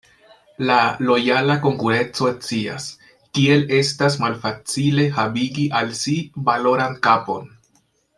La Lojala Konkurenco scias, kiel estas malfacile havigi al si valoran kapon.